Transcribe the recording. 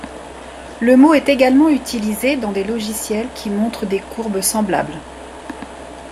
Le mot est également utilisé dans des logiciels qui montrent des courbes semblables.